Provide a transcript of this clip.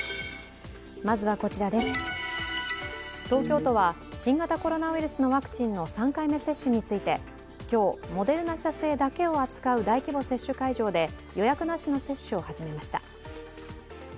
東京都は新型コロナウイルスのワクチンの３回目接種について、今日、モデルナ社製だけを扱う大規模接種会場で予約なしの接種を始めました。